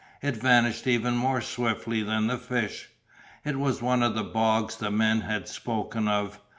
It vanished even more swiftly than the fish. It was one of the bogs the men had spoken of.